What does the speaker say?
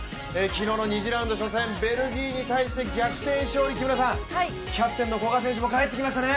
昨日の２次ラウンド初戦、ベルギーに対して逆転勝利、キャプテンの古賀選手も帰ってきましたね。